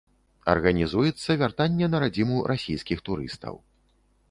Арганізуецца вяртанне на радзіму расійскіх турыстаў.